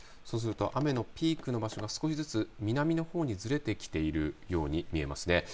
雨のピークの場所が少しずつ南のほうにずれてきているように見えますね。